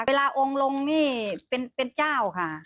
องค์ลงนี่เป็นเจ้าค่ะ